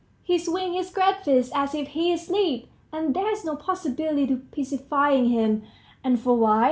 He swings his great fists, as if he's asleep. And there's no possibility of pacifying him; and for why?